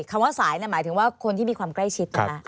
คำว่าสายหมายถึงว่าคนที่มีความใกล้ชิดนะคะ